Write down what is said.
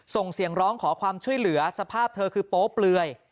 ส่งเสียงร้องขอความช่วยเหลือสภาพเธอคือโป๊เปลือย